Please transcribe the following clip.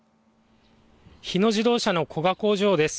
日野自動車の古河工場です。